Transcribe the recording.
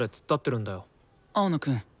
青野くん。